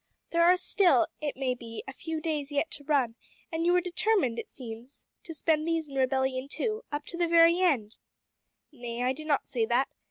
"There are still, it may be, a few days yet to run, and you are determined, it seems, to spend these in rebellion too up to the very end!" "Nay, I do not say that.